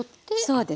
そうです。